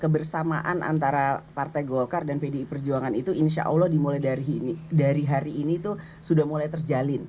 kebersamaan antara partai golkar dan pdi perjuangan itu insya allah dimulai dari hari ini itu sudah mulai terjalin